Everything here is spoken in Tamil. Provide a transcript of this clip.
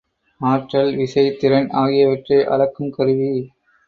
ஆற்றல், விசை, திறன் ஆகியவற்றை அளக்கும் கருவி.